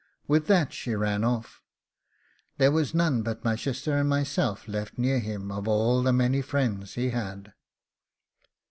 With that she ran off. There was none but my shister and myself left near him of all the many friends he had.